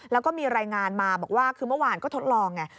แล้วก็มีรายงานมาบอกว่าคือเมื่อวานก็ทดลองไง